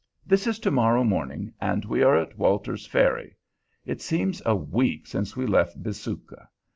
This is to morrow morning, and we are at Walter's Ferry. It seems a week since we left Bisuka.